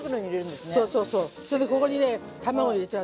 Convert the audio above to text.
それでここにね卵入れちゃうでしょ。